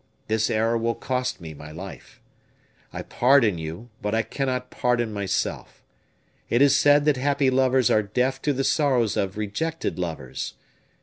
This error will cost me my life. I pardon you, but I cannot pardon myself. It is said that happy lovers are deaf to the sorrows of rejected lovers.